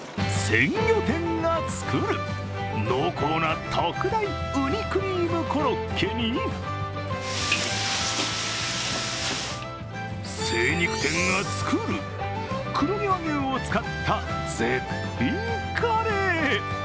鮮魚店が作る、濃厚な特大うにクリームコロッケに精肉店が作る、黒毛和牛を使った絶品カレー。